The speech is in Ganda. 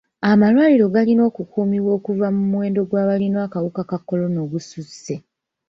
Amalwaliro galina okukuumibwa okuva ku muwendo gw'abalina akawuka ka kolona ogususse.